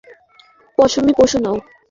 তুমি আগের মতো সাধারণ পশমী পশু নও!